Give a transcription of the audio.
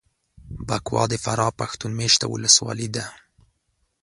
بکوا دفراه پښتون مېشته ولسوالي ده